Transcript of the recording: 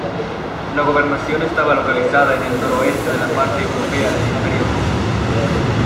La gobernación estaba localizada en el noroeste de la parte europea del Imperio ruso.